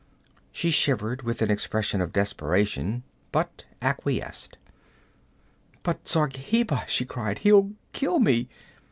"' She shivered, with an expression of desperation, but acquiesced. 'But Zargheba?' she cried. 'He'll kill me!'